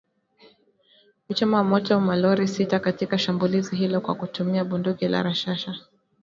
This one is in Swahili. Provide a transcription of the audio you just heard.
kuchoma moto malori sita katika shambulizi hilo kwa kutumia bunduki za rashasha